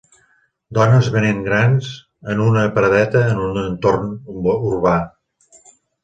Dones venent grans en una paradeta en un entorn urbà.